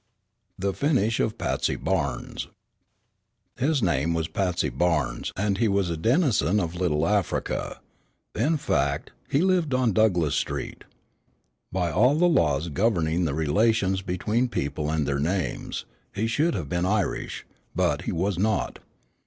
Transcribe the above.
THE FINISH OF PATSY BARNES His name was Patsy Barnes, and he was a denizen of Little Africa. In fact, he lived on Douglass Street. By all the laws governing the relations between people and their names, he should have been Irish but he was not.